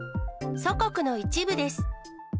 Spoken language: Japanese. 祖国の一部です。